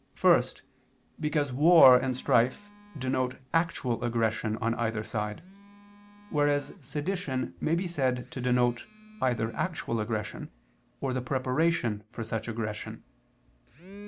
First, because war and strife denote actual aggression on either side, whereas sedition may be said to denote either actual aggression, or the preparation for such aggression.